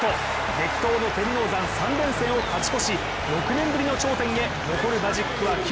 激闘の天王山３連戦を勝ち越し６年ぶりの頂点へ残るマジックは９。